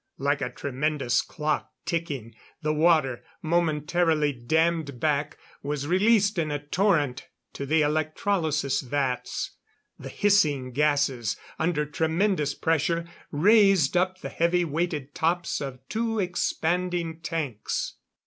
Like a tremendous clock ticking, the water, momentarily dammed back, was released in a torrent to the electrolysis vats. The hissing gases, under tremendous pressure, raised up the heavy weighted tops of two expanding tanks.